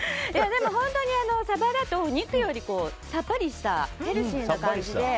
でも本当に、サバだとお肉よりさっぱりした、ヘルシーな感じで。